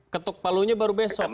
ketuk palunya baru besok